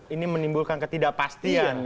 ini menimbulkan ketidakpastian